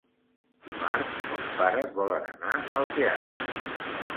Dimarts mons pares volen anar al teatre.